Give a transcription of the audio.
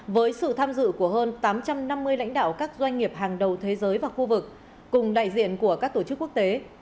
với sự tham dự của hơn tám trăm năm mươi lãnh đạo các doanh nghiệp hàng đầu thế giới và khu vực cùng đại diện của các tổ chức quốc tế